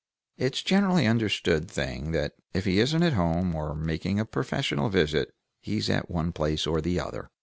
It's a generally understood thing that if he isn't at home, or making a professional visit, he's at one place or the other.